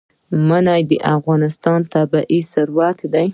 منی د افغانستان طبعي ثروت دی.